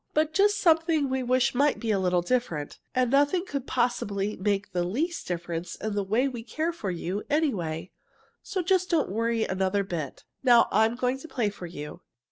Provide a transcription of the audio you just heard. But just something we wish might be a little different. And nothing could possibly make the least difference in the way we care for you, anyway, so just don't worry another bit. Now I'm going to play for you."